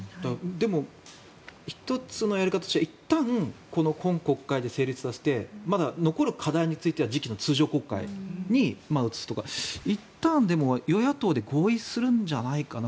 でも１つのやり方としてはいったん、今国会で成立させてまだ残る課題については次期の通常国会に移すとかいったん与野党で合意するんじゃないかな。